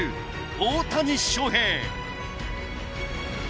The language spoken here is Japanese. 大谷翔平。